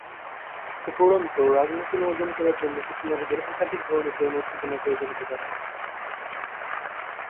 উপরন্তু, রাগমোচন অর্জন করার জন্য কিছু নারীদের একাধিক ধরনের যৌন উত্তেজনার প্রয়োজন হতে পারে।